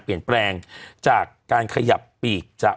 เปลี่ยนแปลงจากการขยับปีกจาก